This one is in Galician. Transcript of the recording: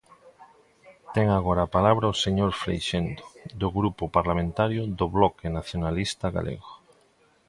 Ten agora a palabra o señor Freixendo, do Grupo Parlamentario do Bloque Nacionalista Galego.